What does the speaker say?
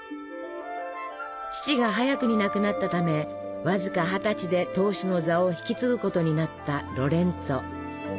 父が早くに亡くなったためわずか二十歳で当主の座を引き継ぐことになったロレンツォ。